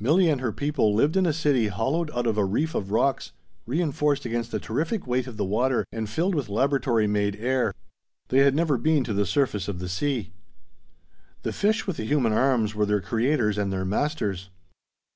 Milli and her people lived in a city hollowed out of a reef of rocks, reinforced against the terrific weight of the water and filled with laboratory made air. They had never been to the surface of the sea. The fish with the human arms were their creators and their masters.